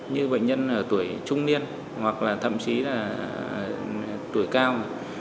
như bệnh nhân ở tuổi trung niên hoặc là thậm chí là tuổi cao